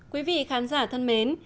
quý vị khán giả thân mến